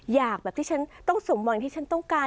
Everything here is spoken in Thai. อยากแบบที่ฉันต้องสมหวังที่ฉันต้องการ